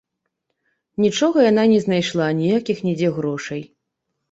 Нічога яна не знайшла, ніякіх нідзе грошай.